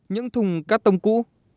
những thùng cắt tông cũ